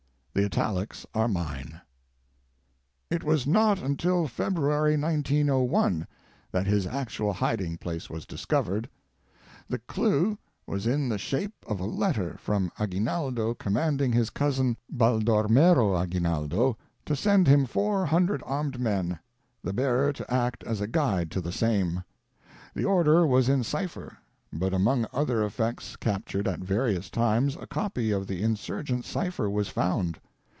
The italics are mine. " It was not until February, 1901, that his actual hiding place was discovered. The clew was in the shape of a letter from Aguinaldo com manding his cousin, Baldormero Aguinaldo, to send him four hundred armed men, the bearer to act as a guide to the same. The order was in cipher, but among other effects captured at various times a copy of the Insurgent cipher was found.